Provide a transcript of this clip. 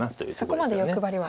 そこまで欲張りは。